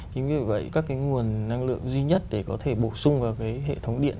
chính vì vậy các cái nguồn năng lượng duy nhất để có thể bổ sung vào cái hệ thống điện